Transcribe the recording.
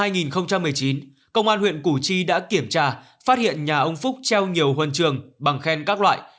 năm hai nghìn một mươi chín công an huyện củ chi đã kiểm tra phát hiện nhà ông phúc treo nhiều huân trường bằng khen các loại